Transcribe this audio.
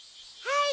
はい。